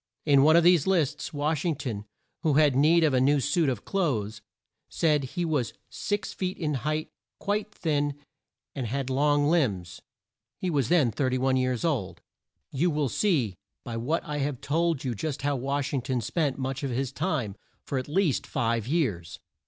In one of these lists Wash ing ton, who had need of a new suit of clothes, said he was six feet in height, quite thin, and had long limbs. He was then 31 years old. You will see by what I have told you just how Wash ing ton spent much of his time for at least five years.